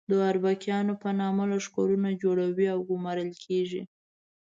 د اربکیانو په نامه لښکرونه جوړوي او ګومارل کېږي.